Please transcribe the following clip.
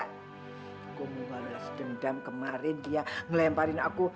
aku mau balas dendam kemarin dia ngelemparin aku